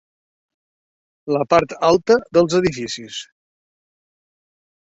La part alta dels edificis.